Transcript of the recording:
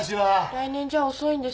来年じゃ遅いんですよ。